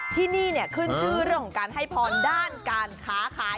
ที่นี่ขึ้นชื่อเรื่องของการให้พรด้านการค้าขาย